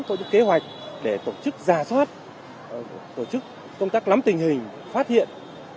có những kế hoạch để tổ chức giả soát tổ chức công tác lắm tình hình phát hiện